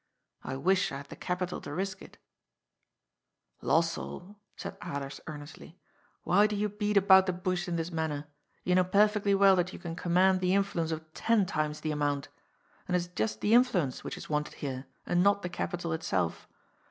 I wish I had the capital to risk it" " Lossell," said Alers earnestly, " why do you beat about the bush in this manner ? You know perfectly well that you can command the influence of ten times the amount. And it is just the influence which is wanted here, and not the capital itself.